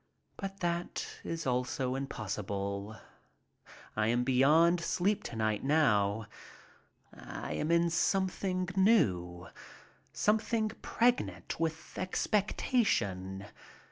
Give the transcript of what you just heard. But that is also impossible. I am beyond sleep to night now. I am in something new, something pregnant with expectation.